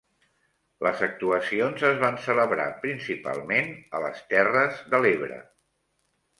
Les actuacions es van celebrar principalment a les Terres de l'Ebre.